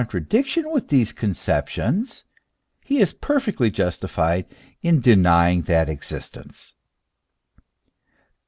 tradiction with these conceptions, he is perfectly justified in denying that existence.